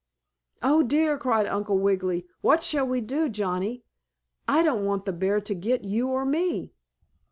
"Oh, dear!" cried Uncle Wiggily. "What shall we do, Johnnie? I don't want the bear to get you or me."